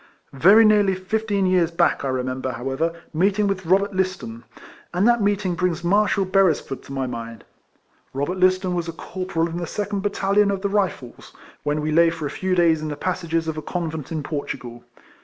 Very nearly fifteen years back, I remember, however, meeting with Robert Liston; and that meeting brings Marshal RIFLEMAN HARRIS. 147 Beresford to my mind. Robert Liston was a corporal in the second battalion of the Rifles, when we lay for a few days in the passages of a convent in Portugal.